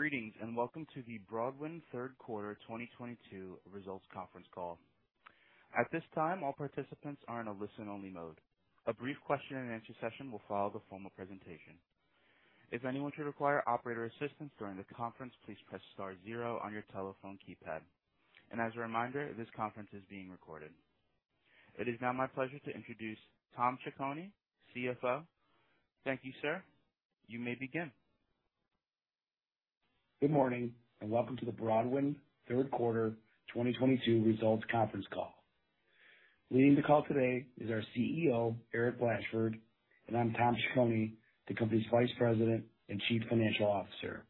Greetings, welcome to the Broadwind third quarter 2022 results conference call. At this time, all participants are in a listen-only mode. A brief question and answer session will follow the formal presentation. If anyone should require operator assistance during the conference, please press star zero on your telephone keypad. As a reminder, this conference is being recorded. It is now my pleasure to introduce Tom Ciccone, CFO. Thank you, sir. You may begin. Good morning, welcome to the Broadwind third quarter 2022 results conference call. Leading the call today is our CEO, Eric Blashford, and I'm Tom Ciccone, the company's Vice President and Chief Financial Officer.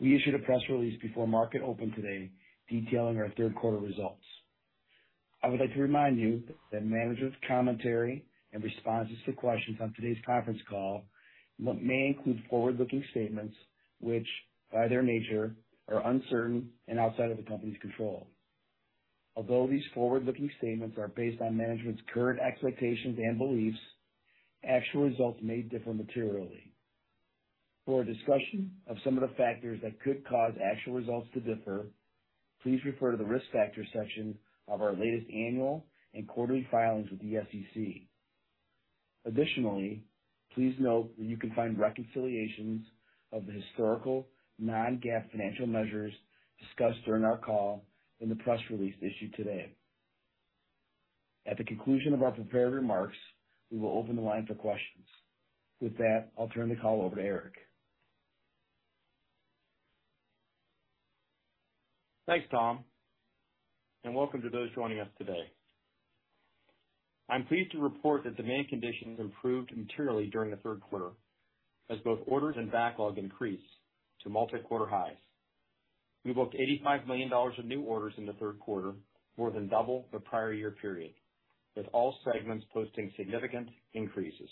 We issued a press release before market open today detailing our third quarter results. I would like to remind you that management's commentary and responses to questions on today's conference call may include forward-looking statements which, by their nature, are uncertain and outside of the company's control. Although these forward-looking statements are based on management's current expectations and beliefs, actual results may differ materially. For a discussion of some of the factors that could cause actual results to differ, please refer to the Risk Factors section of our latest annual and quarterly filings with the SEC. Additionally, please note that you can find reconciliations of the historical non-GAAP financial measures discussed during our call in the press release issued today. At the conclusion of our prepared remarks, we will open the line for questions. With that, I'll turn the call over to Eric. Thanks, Tom, welcome to those joining us today. I'm pleased to report that demand conditions improved materially during the third quarter as both orders and backlog increased to multi-quarter highs. We booked $85 million of new orders in the third quarter, more than double the prior year period, with all segments posting significant increases.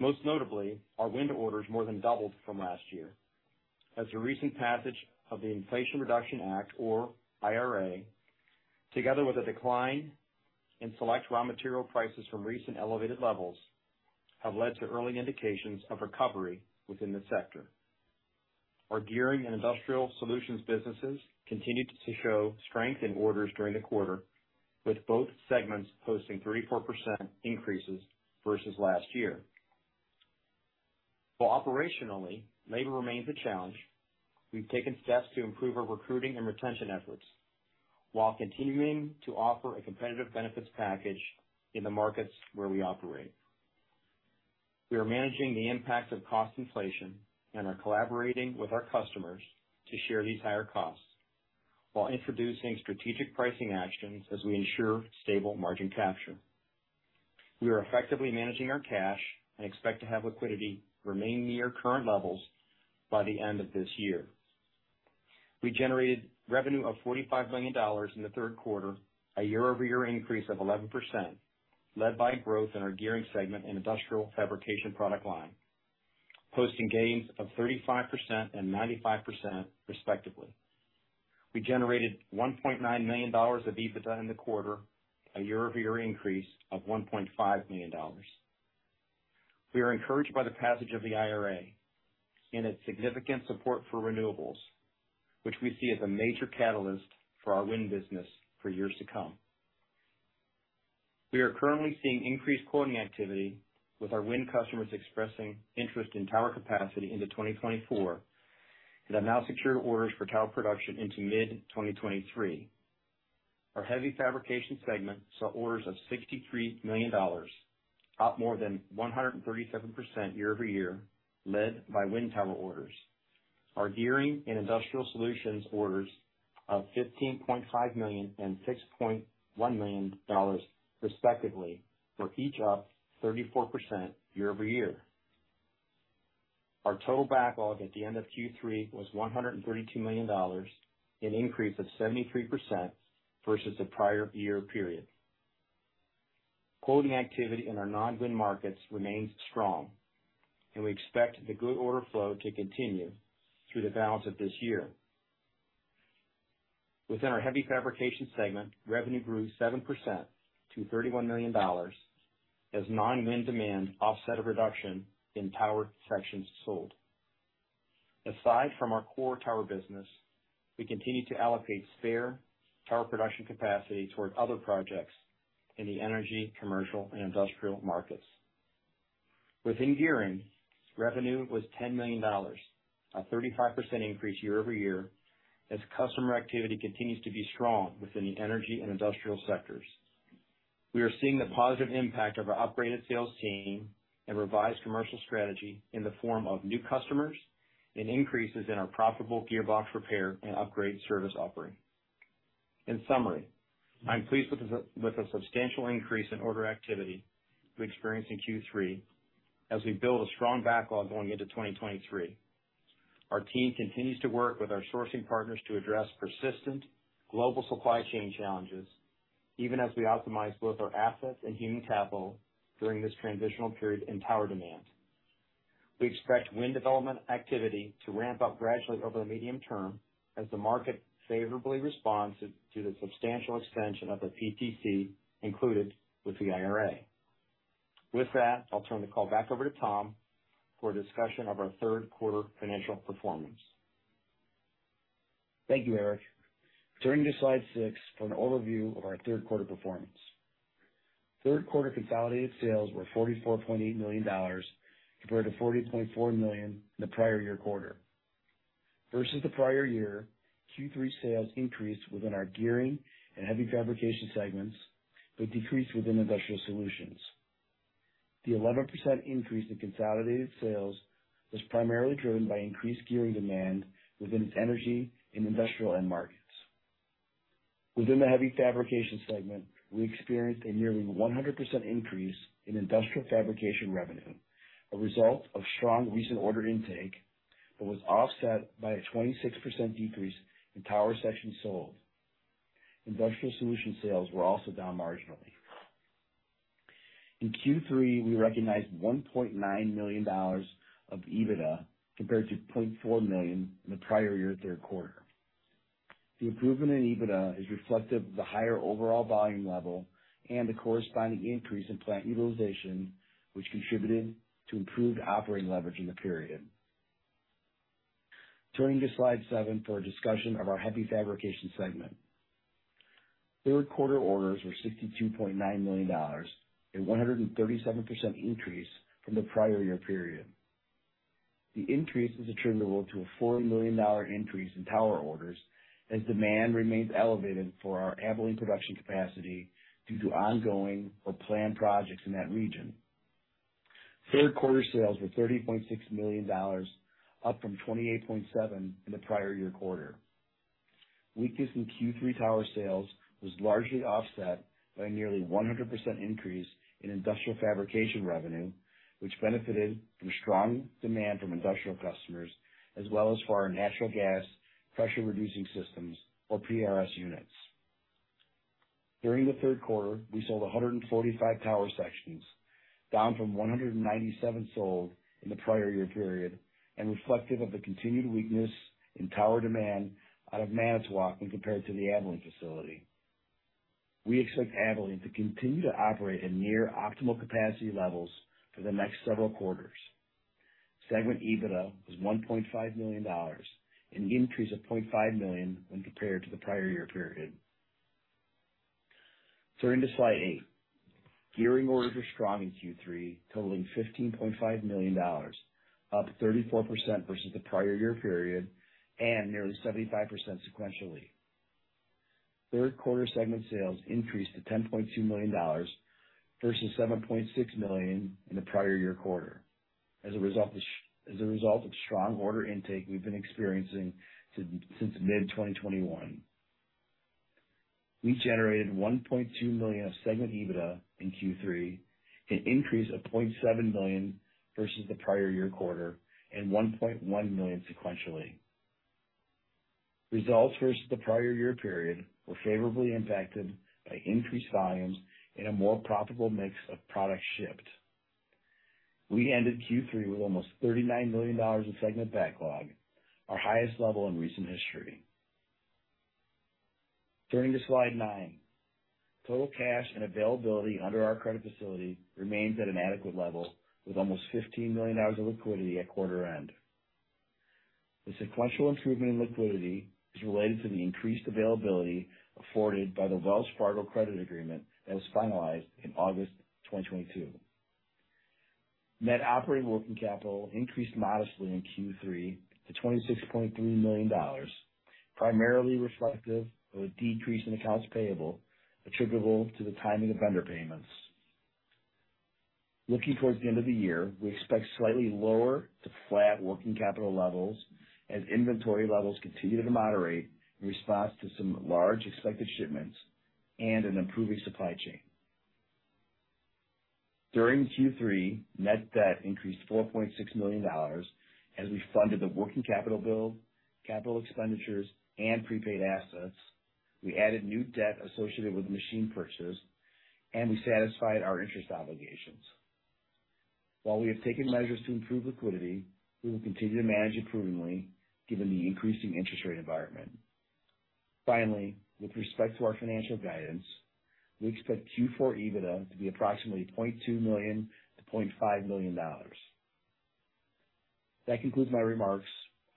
Most notably, our wind orders more than doubled from last year as the recent passage of the Inflation Reduction Act, or IRA, together with a decline in select raw material prices from recent elevated levels, have led to early indications of recovery within the sector. Our Gearing and Industrial Solutions businesses continued to show strength in orders during the quarter, with both segments posting 34% increases versus last year. While operationally, labor remains a challenge, we've taken steps to improve our recruiting and retention efforts while continuing to offer a competitive benefits package in the markets where we operate. We are managing the impact of cost inflation and are collaborating with our customers to share these higher costs while introducing strategic pricing actions as we ensure stable margin capture. We are effectively managing our cash and expect to have liquidity remain near current levels by the end of this year. We generated revenue of $45 million in the third quarter, a year-over-year increase of 11%, led by growth in our Gearing segment and Industrial Fabrication product line, posting gains of 35% and 95% respectively. We generated $1.9 million of EBITDA in the quarter, a year-over-year increase of $1.5 million. We are encouraged by the passage of the IRA and its significant support for renewables, which we see as a major catalyst for our wind business for years to come. We are currently seeing increased quoting activity, with our wind customers expressing interest in tower capacity into 2024, and have now secured orders for tower production into mid 2023. Our Heavy Fabrications segment saw orders of $63 million, up more than 137% year-over-year, led by wind tower orders. Our Gearing and Industrial Solutions orders of $15.5 million and $6.1 million respectively, were each up 34% year-over-year. Our total backlog at the end of Q3 was $132 million, an increase of 73% versus the prior year period. Quoting activity in our non-wind markets remains strong, and we expect the good order flow to continue through the balance of this year. Within our Heavy Fabrications segment, revenue grew 7% to $31 million as non-wind demand offset a reduction in tower sections sold. Aside from our core tower business, we continue to allocate spare tower production capacity toward other projects in the energy, commercial, and industrial markets. Within Gearing, revenue was $10 million, a 35% increase year-over-year, as customer activity continues to be strong within the energy and industrial sectors. We are seeing the positive impact of our upgraded sales team and revised commercial strategy in the form of new customers and increases in our profitable gearbox repair and upgrade service offering. In summary, I'm pleased with the substantial increase in order activity we experienced in Q3 as we build a strong backlog going into 2023. Our team continues to work with our sourcing partners to address persistent global supply chain challenges, even as we optimize both our assets and human capital during this transitional period in tower demand. We expect wind development activity to ramp up gradually over the medium term as the market favorably responds to the substantial extension of the PTC included with the IRA. With that, I'll turn the call back over to Tom for a discussion of our third quarter financial performance. Thank you, Eric. Turning to slide six for an overview of our third quarter performance. Third quarter consolidated sales were $44.8 million compared to $40.4 million in the prior year quarter. Versus the prior year, Q3 sales increased within our Gearing and Heavy Fabrications segments, but decreased within Industrial Solutions. The 11% increase in consolidated sales was primarily driven by increased Gearing demand within its energy and industrial end markets. Within the Heavy Fabrication segment, we experienced a nearly 100% increase in industrial fabrication revenue, a result of strong recent order intake that was offset by a 26% decrease in tower sections sold. Industrial Solutions sales were also down marginally. In Q3, we recognized $1.9 million of EBITDA compared to $0.4 million in the prior year third quarter. The improvement in EBITDA is reflective of the higher overall volume level and the corresponding increase in plant utilization, which contributed to improved operating leverage in the period. Turning to slide seven for a discussion of our Heavy Fabrication segment. Third quarter orders were $62.9 million, a 137% increase from the prior year period. The increase is attributable to a $4 million increase in tower orders as demand remains elevated for our Abilene production capacity due to ongoing or planned projects in that region. Third quarter sales were $30.6 million, up from $28.7 million in the prior year quarter. Weakness in Q3 tower sales was largely offset by a nearly 100% increase in industrial fabrication revenue, which benefited from strong demand from industrial customers, as well as for our natural gas Pressure Reducing Systems, or PRS units. During the third quarter, we sold 145 tower sections, down from 197 sold in the prior year period and reflective of the continued weakness in tower demand out of Manitowoc when compared to the Abilene facility. We expect Abilene to continue to operate at near optimal capacity levels for the next several quarters. Segment EBITDA was $1.5 million, an increase of $0.5 million when compared to the prior year period. Turning to slide eight. Gearing orders were strong in Q3, totaling $15.5 million, up 34% versus the prior year period and nearly 75% sequentially. Third quarter segment sales increased to $10.2 million versus $7.6 million in the prior year quarter. As a result of strong order intake we've been experiencing since mid 2021. We generated $1.2 million of segment EBITDA in Q3, an increase of $0.7 million versus the prior year quarter and $1.1 million sequentially. Results versus the prior year period were favorably impacted by increased volumes and a more profitable mix of products shipped. We ended Q3 with almost $39 million in segment backlog, our highest level in recent history. Turning to slide nine. Total cash and availability under our credit facility remains at an adequate level, with almost $15 million of liquidity at quarter end. The sequential improvement in liquidity is related to the increased availability afforded by the Wells Fargo credit agreement that was finalized in August 2022. Net operating working capital increased modestly in Q3 to $26.3 million, primarily reflective of a decrease in accounts payable attributable to the timing of vendor payments. Looking towards the end of the year, we expect slightly lower to flat working capital levels as inventory levels continue to moderate in response to some large expected shipments and an improving supply chain. During Q3, net debt increased $4.6 million as we funded the working capital build, capital expenditures, and prepaid assets. We added new debt associated with machine purchase, and we satisfied our interest obligations. While we have taken measures to improve liquidity, we will continue to manage it prudently given the increasing interest rate environment. Finally, with respect to our financial guidance, we expect Q4 EBITDA to be approximately $0.2 million to $0.5 million. That concludes my remarks.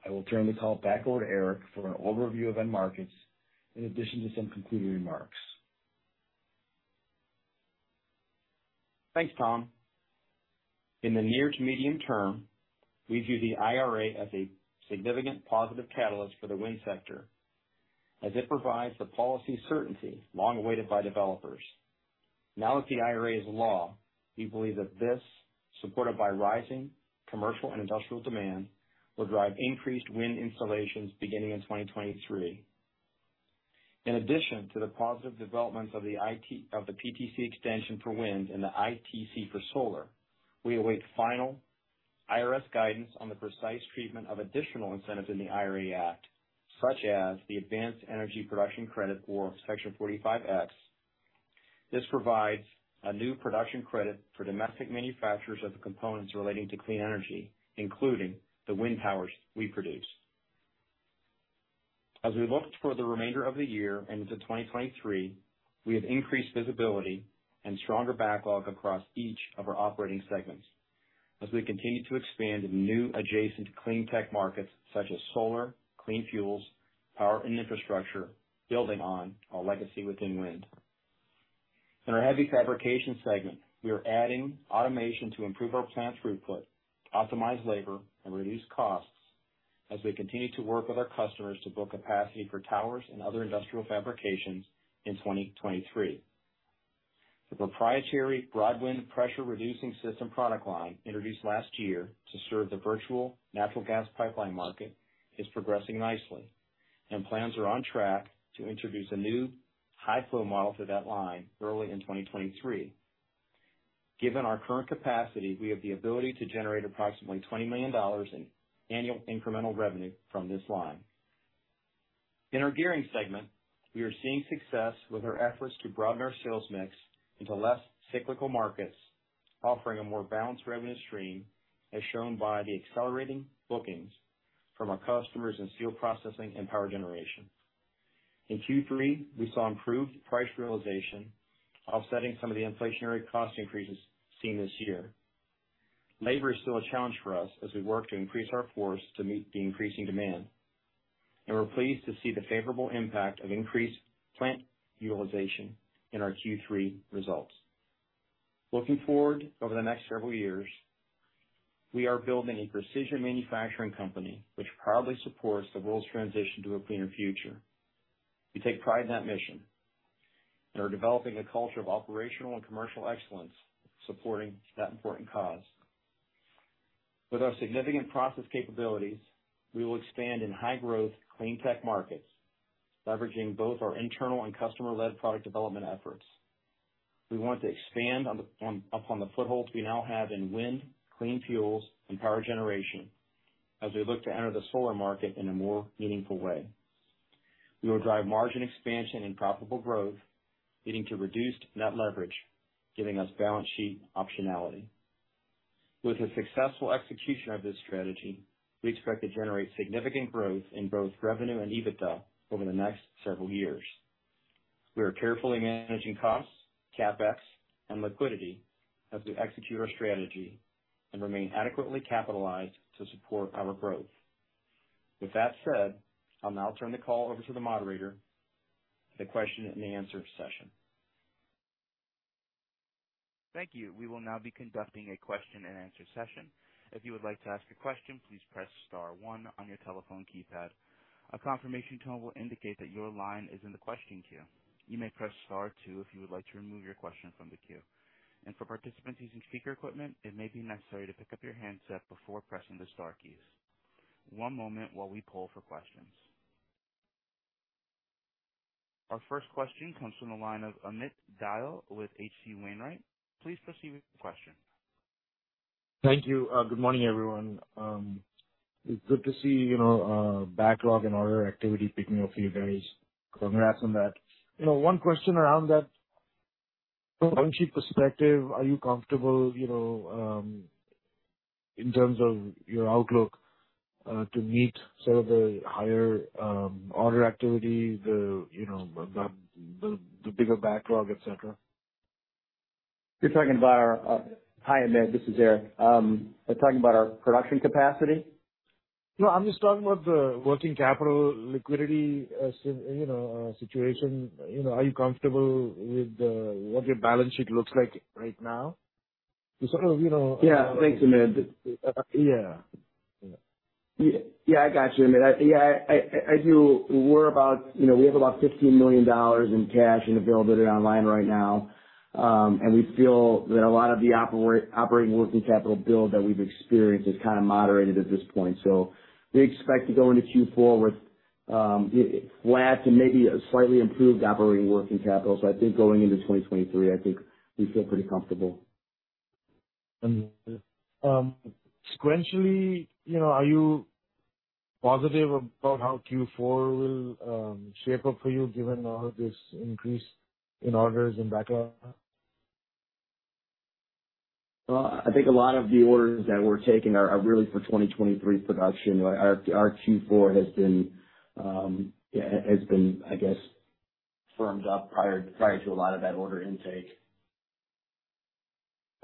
I will turn the call back over to Eric for an overview of end markets, in addition to some concluding remarks. Thanks, Tom. In the near to medium term, we view the IRA as a significant positive catalyst for the wind sector, as it provides the policy certainty long awaited by developers. Now that the IRA is law, we believe that this, supported by rising commercial and industrial demand, will drive increased wind installations beginning in 2023. In addition to the positive developments of the PTC extension for wind and the ITC for solar, we await final IRS guidance on the precise treatment of additional incentives in the IRA Act, such as the Advanced Manufacturing Production Credit, or Section 45X. This provides a new production credit for domestic manufacturers of the components relating to clean energy, including the wind towers we produce. As we look toward the remainder of the year and into 2023, we have increased visibility and stronger backlog across each of our operating segments as we continue to expand into new adjacent clean tech markets such as solar, clean fuels, power, and infrastructure, building on our legacy within wind. In our Heavy Fabrications segment, we are adding automation to improve our plant throughput, optimize labor, and reduce costs as we continue to work with our customers to book capacity for towers and other industrial fabrications in 2023. The proprietary Broadwind Pressure Reducing System product line introduced last year to serve the virtual natural gas pipeline market is progressing nicely, and plans are on track to introduce a new high flow model to that line early in 2023. Given our current capacity, we have the ability to generate approximately $20 million in annual incremental revenue from this line. In our Gearing segment, we are seeing success with our efforts to broaden our sales mix into less cyclical markets, offering a more balanced revenue stream as shown by the accelerating bookings from our customers in steel processing and power generation. In Q3, we saw improved price realization offsetting some of the inflationary cost increases seen this year. Labor is still a challenge for us as we work to increase our force to meet the increasing demand, and we're pleased to see the favorable impact of increased plant utilization in our Q3 results. Looking forward over the next several years, we are building a precision manufacturing company which proudly supports the world's transition to a cleaner future. We take pride in that mission and are developing a culture of operational and commercial excellence supporting that important cause. With our significant process capabilities, we will expand in high growth clean tech markets, leveraging both our internal and customer-led product development efforts. We want to expand upon the footholds we now have in wind, clean fuels, and power generation as we look to enter the solar market in a more meaningful way. We will drive margin expansion and profitable growth leading to reduced net leverage, giving us balance sheet optionality. With the successful execution of this strategy, we expect to generate significant growth in both revenue and EBITDA over the next several years. We are carefully managing costs, CapEx, and liquidity as we execute our strategy and remain adequately capitalized to support our growth. With that said, I'll now turn the call over to the moderator for the question and answer session. Thank you. We will now be conducting a question and answer session. If you would like to ask a question, please press star one on your telephone keypad. A confirmation tone will indicate that your line is in the question queue. You may press star two if you would like to remove your question from the queue. For participants using speaker equipment, it may be necessary to pick up your handset before pressing the star keys. One moment while we poll for questions. Our first question comes from the line of Amit Dayal with H.C. Wainwright. Please proceed with your question. Thank you. Good morning, everyone. It's good to see backlog and order activity picking up for you guys. Congrats on that. One question around that. From a balance sheet perspective, are you comfortable, in terms of your outlook, to meet sort of the higher order activity, the bigger backlog, et cetera? Hi, Amit. This is Eric. You're talking about our production capacity? I'm just talking about the working capital liquidity situation. Are you comfortable with what your balance sheet looks like right now? Thanks, Amit. Yeah. I got you, Amit. I do. We have about $15 million in cash and availability online right now. We feel that a lot of the operating working capital build that we've experienced has kind of moderated at this point. We expect to go into Q4 with flat to maybe a slightly improved operating working capital. I think going into 2023, I think we feel pretty comfortable. Sequentially, are you positive about how Q4 will shape up for you given all this increase in orders and backlog? I think a lot of the orders that we're taking are really for 2023 production. Our Q4 has been, I guess, firmed up prior to a lot of that order intake.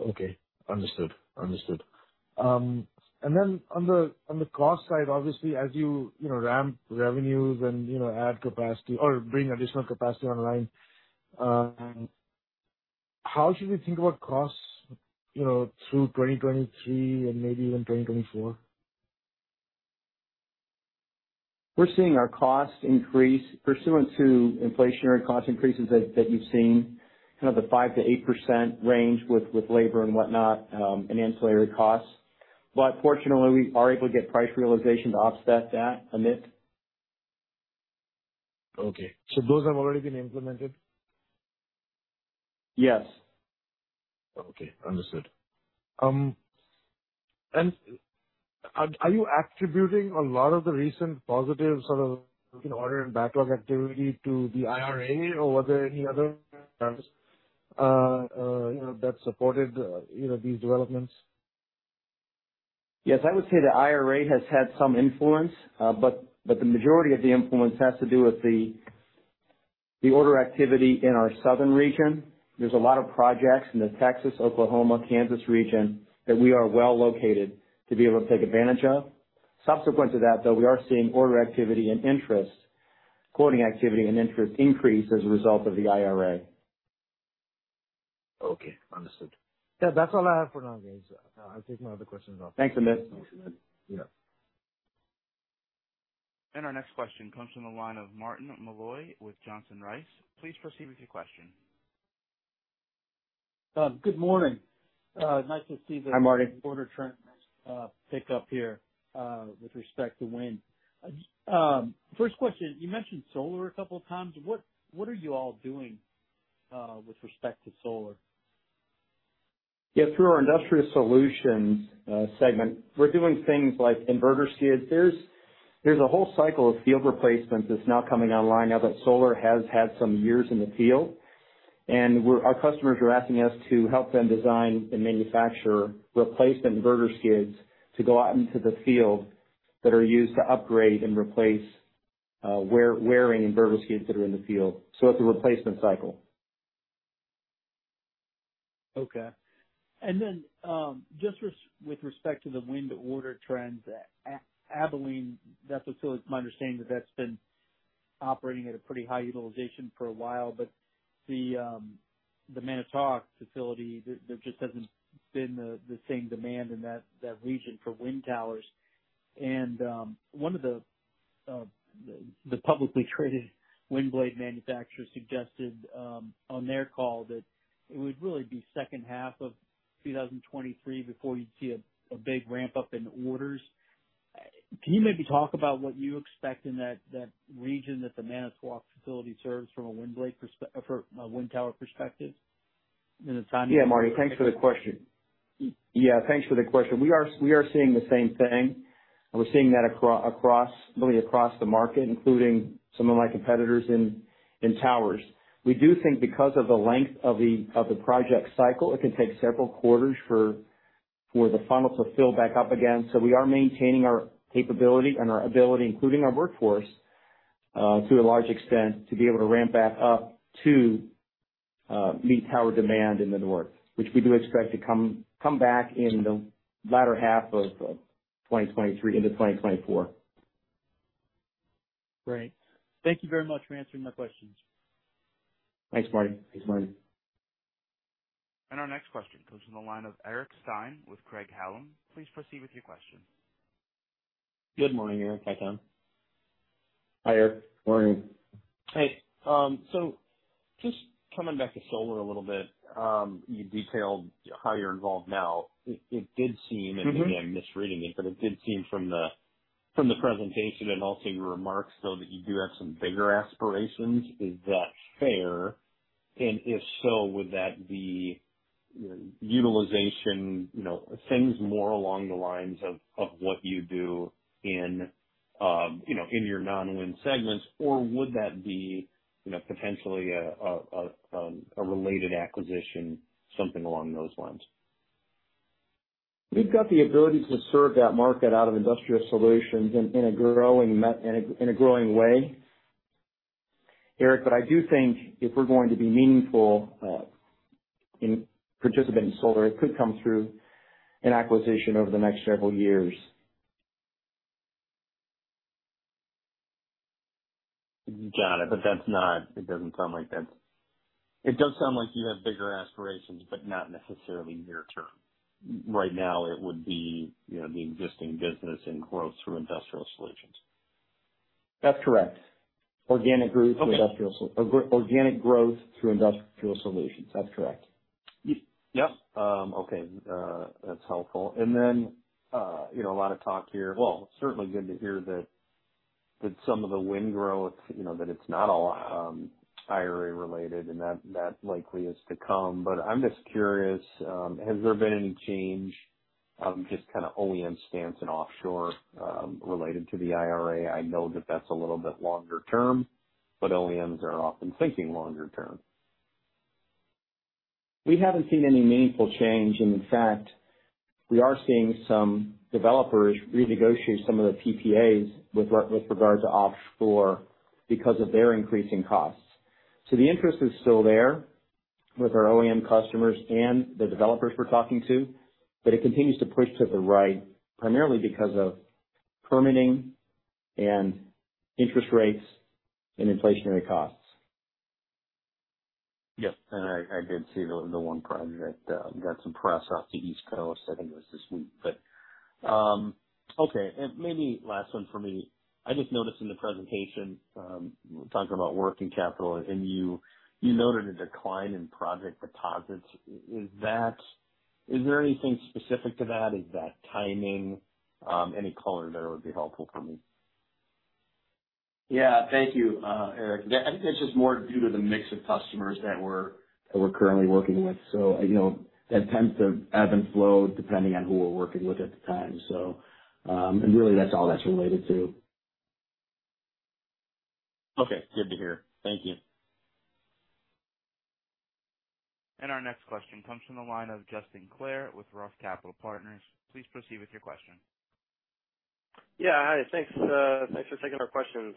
Okay. Understood. Then on the cost side, obviously, as you ramp revenues and add capacity or bring additional capacity online, how should we think about costs through 2023 and maybe even 2024? We're seeing our cost increase pursuant to inflationary cost increases that you've seen, kind of the 5%-8% range with labor and whatnot, and ancillary costs. Fortunately, we are able to get price realization to offset that, Amit. Okay. Those have already been implemented? Yes. Okay. Understood. Are you attributing a lot of the recent positive sort of order and backlog activity to the IRA or were there any other factors that supported these developments? Yes, I would say the IRA has had some influence, but the majority of the influence has to do with the order activity in our southern region. There's a lot of projects in the Texas, Oklahoma, Kansas region that we are well-located to be able to take advantage of. Subsequent to that, though, we are seeing order activity and interest, quoting activity and interest increase as a result of the IRA. Okay. Understood. Yeah, that's all I have for now. I'll take my other questions off. Thanks, Amit. Yeah. Our next question comes from the line of Martin Malloy with Johnson Rice. Please proceed with your question. Good morning. Nice to see. Hi, Martin. order trends pick up here with respect to wind. First question, you mentioned solar a couple of times. What are you all doing with respect to solar? Yeah, through our Broadwind Industrial Solutions segment, we're doing things like inverter skids. There's a whole cycle of field replacements that's now coming online now that solar has had some years in the field. Our customers are asking us to help them design and manufacture replacement inverter skids to go out into the field that are used to upgrade and replace wearing inverter skids that are in the field. It's a replacement cycle. Okay. Just with respect to the wind order trends, Abilene, that facility, my understanding that's been operating at a pretty high utilization for a while, but the Manitowoc facility, there just hasn't been the same demand in that region for wind towers. One of the publicly traded wind blade manufacturers suggested on their call that it would really be second half of 2023 before you'd see a big ramp-up in orders. Can you maybe talk about what you expect in that region that the Manitowoc facility serves from a wind tower perspective in the timeline? Yeah, Marty, thanks for the question. We are seeing the same thing. We're seeing that really across the market, including some of my competitors in towers. We do think because of the length of the project cycle, it can take several quarters for the funnel to fill back up again. We are maintaining our capability and our ability, including our workforce, to a large extent, to be able to ramp back up to meet tower demand in the north, which we do expect to come back in the latter half of 2023 into 2024. Great. Thank you very much for answering my questions. Thanks, Marty. Our next question comes from the line of Eric Stine with Craig-Hallum. Please proceed with your question. Good morning, Eric. Hi, Ken. Hi, Eric. Morning. Hey. Just coming back to solar a little bit. You detailed how you're involved now. It did seem, and maybe I'm misreading it, but it did seem from the presentation and also your remarks, though, that you do have some bigger aspirations. Is that fair? If so, would that be utilization things more along the lines of what you do in your non-wind segments, or would that be potentially a related acquisition, something along those lines? We've got the ability to serve that market out of Industrial Solutions in a growing way, Eric. I do think if we're going to be meaningful in participating in solar, it could come through an acquisition over the next several years. Got it. It does sound like you have bigger aspirations, but not necessarily near-term. Right now it would be the existing business and growth through Industrial Solutions. That's correct. Organic growth through Industrial Solutions. That's correct. Yep. Okay. That's helpful. Well, certainly good to hear that some of the wind growth, that it's not all IRA related and that likely is to come. I'm just curious, has there been any change of just kind of OEM stance in offshore related to the IRA? I know that that's a little bit longer term, OEMs are often thinking longer term. We haven't seen any meaningful change and in fact, we are seeing some developers renegotiate some of the PPAs with regard to offshore because of their increasing costs. The interest is still there with our OEM customers and the developers we're talking to. It continues to push to the right, primarily because of permitting and interest rates and inflationary costs. Yep. I did see the one project that got some press off the East Coast, I think it was this week. Okay. Maybe last one for me. I just noticed in the presentation, talking about working capital. You noted a decline in project deposits. Is there anything specific to that? Is that timing? Any color there would be helpful for me. Yeah. Thank you, Eric. I think that's just more due to the mix of customers that we're currently working with. That tends to ebb and flow depending on who we're working with at the time. Really that's all that's related to. Okay. Good to hear. Thank you. Our next question comes from the line of Justin Clare with ROTH Capital Partners. Please proceed with your question. Yeah. Hi. Thanks for taking our questions.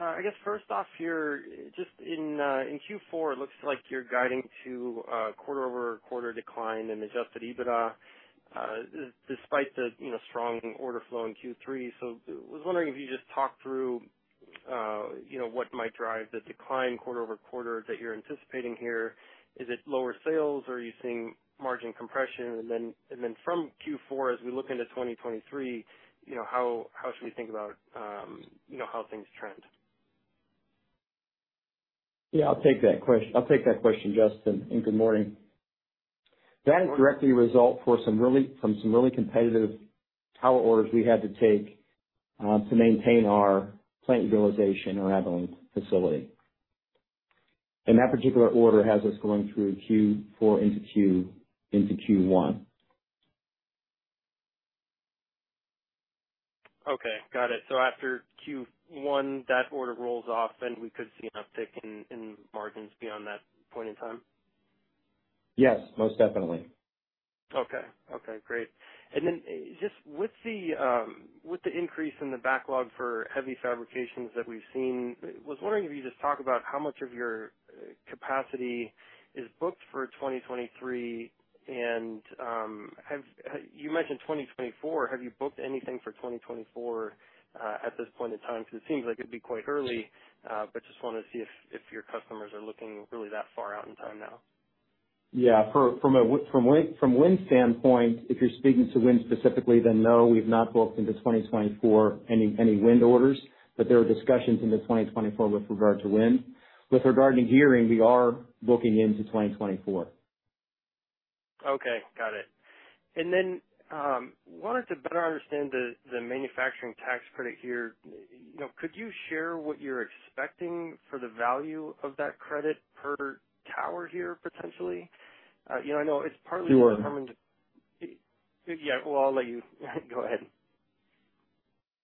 I guess first off here, just in Q4, it looks like you're guiding to a quarter-over-quarter decline in adjusted EBITDA despite the strong order flow in Q3. I was wondering if you could just talk through what might drive the decline quarter-over-quarter that you're anticipating here. Is it lower sales? Are you seeing margin compression? Then from Q4, as we look into 2023, how should we think about how things trend? Yeah, I'll take that question, Justin. Good morning. That is directly a result from some really competitive tower orders we had to take to maintain our plant utilization at our Abilene facility. That particular order has us going through Q4 into Q1. Okay. Got it. After Q1, that order rolls off, and we could see an uptick in margins beyond that point in time? Yes, most definitely. Okay. Great. Just with the increase in the backlog for Heavy Fabrications that we've seen, I was wondering if you could just talk about how much of your capacity is booked for 2023, and you mentioned 2024, have you booked anything for 2024, at this point in time? Because it seems like it'd be quite early, but just want to see if your customers are looking really that far out in time now. Yeah. From a wind standpoint, if you're speaking to wind specifically, then no, we've not booked into 2024 any wind orders, but there are discussions into 2024 with regard to wind. With regarding Gearing, we are booking into 2024. Okay. Got it. Wanted to better understand the manufacturing tax credit here. Could you share what you're expecting for the value of that credit per tower here, potentially? Sure. Yeah. Well, I'll let you go ahead.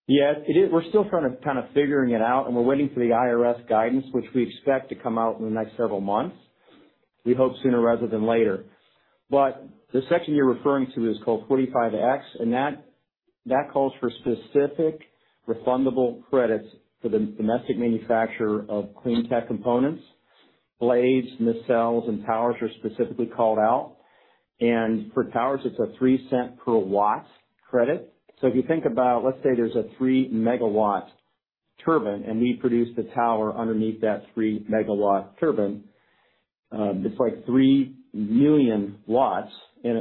Yeah, we're still kind of figuring it out, and we're waiting for the IRS guidance, which we expect to come out in the next several months, we hope sooner rather than later. The section you're referring to is called 45X, that calls for specific refundable credits for the domestic manufacturer of clean tech components. Blades, nacelles, and towers are specifically called out. For towers, it's a $0.03 per watt credit. If you think about, let's say there's a three-megawatt turbine, and we produce the tower underneath that three-megawatt turbine. It's like 3 million watts in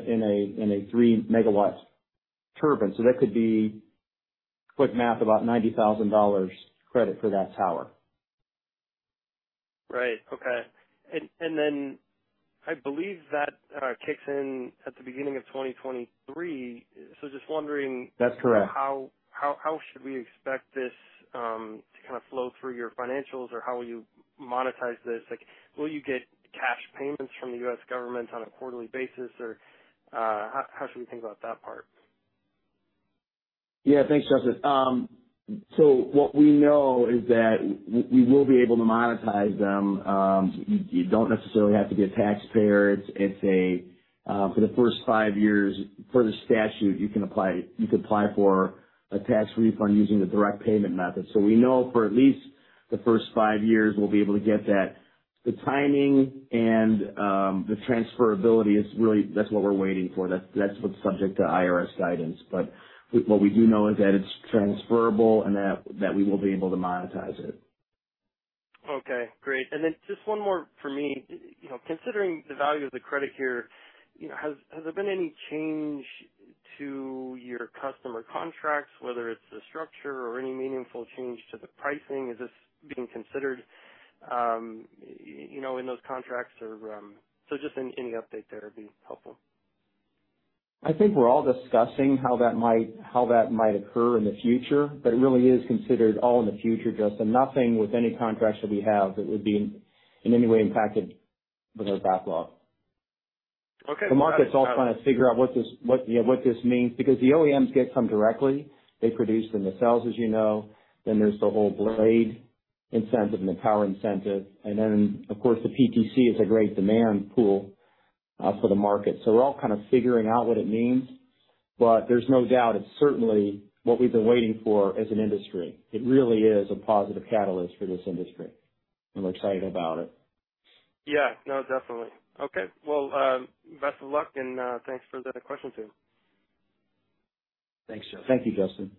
a three-megawatt turbine. That could be, quick math, about $90,000 credit for that tower. Right. Okay. I believe that kicks in at the beginning of 2023. That's correct How should we expect this to flow through your financials, or how will you monetize this? Will you get cash payments from the U.S. government on a quarterly basis, or how should we think about that part? Yeah, thanks, Justin. What we know is that we will be able to monetize them. You don't necessarily have to be a taxpayer. For the first five years, per the statute, you can apply for a tax refund using the direct payment method. We know for at least the first five years we'll be able to get that. The timing and the transferability, that's what we're waiting for. That's what's subject to IRS guidance. What we do know is that it's transferable and that we will be able to monetize it. Okay, great. Just one more for me. Considering the value of the credit here, has there been any change to your customer contracts, whether it's the structure or any meaningful change to the pricing? Is this being considered in those contracts? Just any update there would be helpful. I think we're all discussing how that might occur in the future, but it really is considered all in the future, Justin. Nothing with any contracts that we have that would be in any way impacted with our backlog. Okay. The market's all trying to figure out what this means because the OEMs get some directly. They produce the nacelles, as you know. Then there's the whole blade incentive and the power incentive. Then, of course, the PTC is a great demand pool for the market. We're all kind of figuring out what it means, but there's no doubt it's certainly what we've been waiting for as an industry. It really is a positive catalyst for this industry, and we're excited about it. Yeah. No, definitely. Okay. Well, best of luck, and thanks for the question too. Thanks, Justin. Thank you, Justin.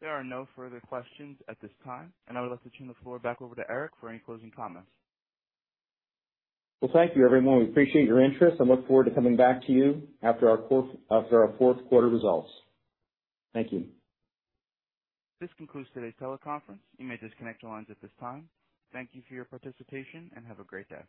There are no further questions at this time, and I would like to turn the floor back over to Eric for any closing comments. Well, thank you everyone. We appreciate your interest and look forward to coming back to you after our fourth quarter results. Thank you. This concludes today's teleconference. You may disconnect your lines at this time. Thank you for your participation, and have a great day.